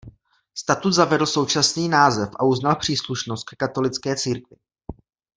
Statut zavedl současný název a uznal příslušnost ke katolické církvi.